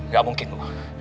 gak mungkin bu